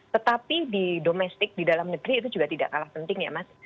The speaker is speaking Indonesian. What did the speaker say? tetapi di domestik di dalam negeri itu juga tidak kalah penting ya mas